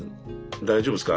大丈夫ですか？